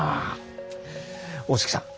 大月さん